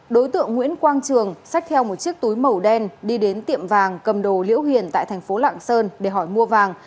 đối tượng nguyễn quang trường sách theo một chiếc túi màu đen đi đến tiệm vàng cầm đồ liễu hiền tại thành phố lạng sơn để hỏi mua vàng